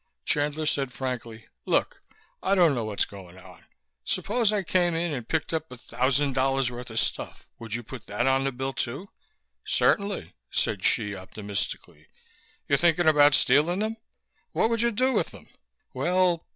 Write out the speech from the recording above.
Chandler said frankly, "Look, I don't know what's going on. Suppose I came in and picked up a thousand dollars' worth of stuff, would you put that on the bill, too?" "Certainly," said Hsi optimistically. "You thinking about stealing them? What would you do with them?" "Well...."